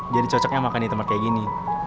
jadi cocoknya makan di tempat kayak gini